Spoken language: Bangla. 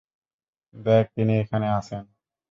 দেখ, তিনি এখানে আছেন।